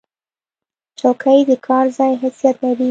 چوکۍ د کار ځای حیثیت لري.